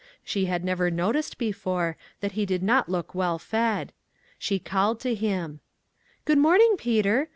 She had never noticed before that he did not look well fed. She called to him : "Good morning, Peter!